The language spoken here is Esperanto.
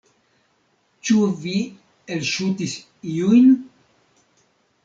Ĉu vi elŝutis iujn?